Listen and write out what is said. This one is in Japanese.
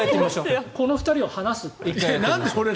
この２人を離す。